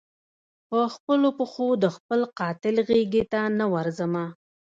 پر خپلو پښو د خپل قاتل غیږي ته نه ورځمه